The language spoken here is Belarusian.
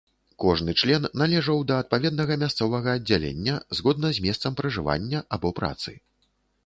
Кожны член належаў да адпаведнага мясцовага аддзялення згодна з месцам пражывання, або працы.